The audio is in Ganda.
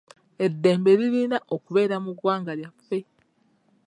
Eddembe lirina okubeera mu gwanga lyaffe.